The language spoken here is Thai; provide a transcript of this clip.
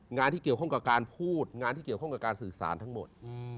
งานที่เกี่ยวข้องกับการพูดงานที่เกี่ยวข้องกับการสื่อสารทั้งหมด